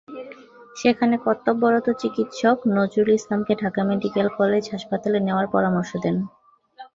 সেখানে কর্তব্যরত চিকিৎসক নজরুল ইসলামকে ঢাকা মেডিকেল কলেজ হাসপাতাল নেওয়ার পরামর্শ দেন।